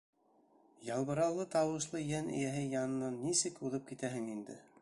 Ялбарыулы тауышлы йән эйәһе янынан нисек уҙып китәһең инде?!